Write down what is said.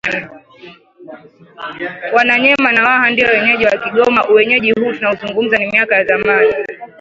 Wamanyema na Waha Ndio wenyeji wa kigoma Uwenyeji huu tunauzungumza ni miaka ya zamani